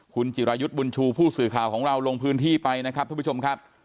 คุณจิรายุทธ์บุญชูผู้สื่อข่าวของเราลงพื้นที่ไปนะครับท่านผู้ชมครับ